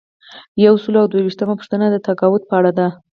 یو سل او دوه ویشتمه پوښتنه د تقاعد په اړه ده.